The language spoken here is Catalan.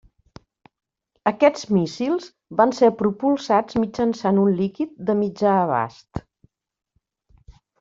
Aquests míssils van ser propulsats mitjançant un líquid de mitjà abast.